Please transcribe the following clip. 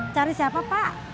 cari siapa pak